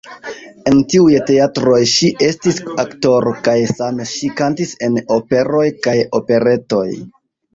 En tiuj teatroj ŝi estis aktoro kaj same ŝi kantis en operoj kaj operetoj.